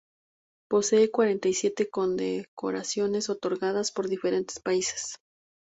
Posee cuarenta y siete condecoraciones otorgadas por diferentes países.